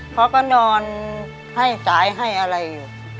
เขาก็นอนให้สายให้อะไรอยู่